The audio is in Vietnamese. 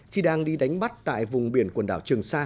khi đang đi đánh bắt tại vùng biển quần đảo trường sa